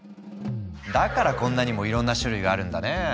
だからこんなにもいろんな種類があるんだね。